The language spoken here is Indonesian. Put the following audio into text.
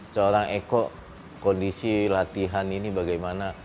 seorang eko kondisi latihan ini bagaimana